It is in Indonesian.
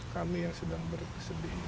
kami yang sedang bersedih